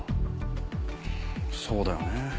そうだよね。